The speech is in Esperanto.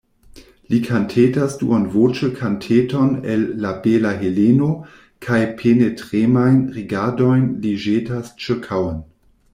Li kantetas duonvoĉe kanteton el La Bela Heleno, kaj penetremajn rigardojn li ĵetas ĉirkaŭen.